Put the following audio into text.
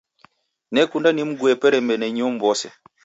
Nekunda nimguye peremende inyow'ose.